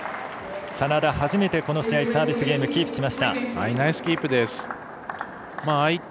眞田、初めてこの試合サービスキープしました。